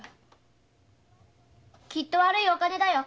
きっと悪いお金だよ！